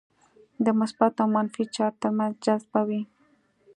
د مثبت او منفي چارج ترمنځ جذبه وي.